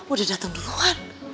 udah dateng duluan